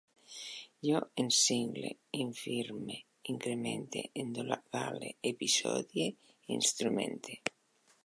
Jo encingle, infirme, incremente, endogale, episodie, instrumente